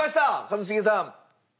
一茂さん。